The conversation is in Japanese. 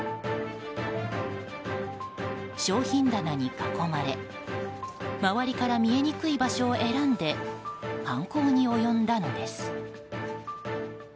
商品棚に囲まれ周りから見えにくい場所を選んで犯行に及んだのです。